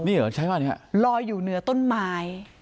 นี่เหรอใช้บ้านนี้ฮะลอยอยู่เหนือต้นไม้